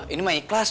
ini mah ikhlas